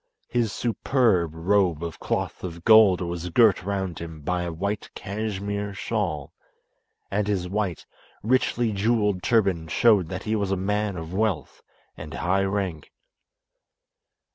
His superb robe of cloth of gold was girt round him by a white cashmere shawl, and his white, richly jewelled turban showed that he was a man of wealth and high rank.